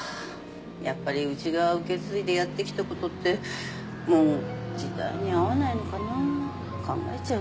やっぱりうちが受け継いでやってきたことってもう時代に合わないのかな考えちゃうわ。